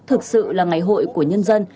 thực sự là ngày hội của nhân dân